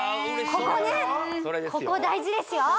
ここねここ大事ですよＲｅＦａ